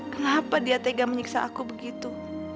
kenapa dia tega menyiksa aku begitu